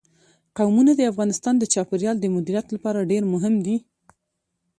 قومونه د افغانستان د چاپیریال د مدیریت لپاره ډېر مهم دي.